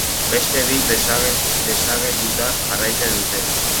Beste bik desagetuta jarraitzen dute.